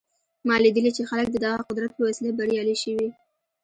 ما لیدلي چې خلک د دغه قدرت په وسیله بریالي شوي